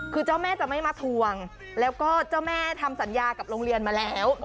คือเจ้าแม่จะไม่มาทวงแล้วก็เจ้าแม่ทำสัญญากับโรงเรียนมาแล้ว